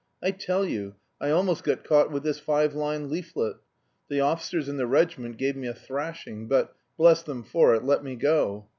I tell you, I almost got caught with this five line leaflet. The officers in the regiment gave me a thrashing, but, bless them for it, let me go.